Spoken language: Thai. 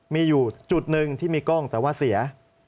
มีอยู่จุดหนึ่งที่มีกล้องแต่ว่าเสีย